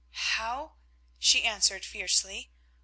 "How?" she answered fiercely.